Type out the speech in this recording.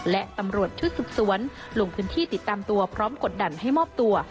และตำรวจชุดสืบสวนลงพื้นที่ติดตามตัวพร้อมกดดันให้มอบตัว